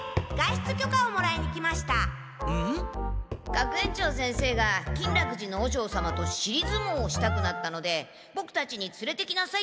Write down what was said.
学園長先生が金楽寺の和尚様としりずもうをしたくなったのでボクたちにつれてきなさいって言われまして。